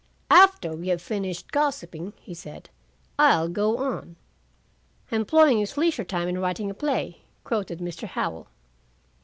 "After we have finished gossiping," he said, "I'll go on." "'Employing his leisure time in writing a play '" quoted Mr. Howell.